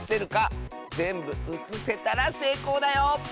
ぜんぶうつせたらせいこうだよ！